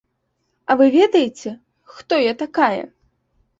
А вы ведаеце, хто я такая?